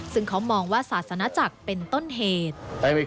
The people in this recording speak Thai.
ซึ่งเขามองว่าศาสนจักรเป็นต้นเหตุ